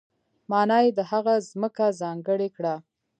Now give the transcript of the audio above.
معنا یې ده هغه ځمکه ځانګړې کړه.